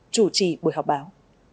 chủ trì buổi họp báo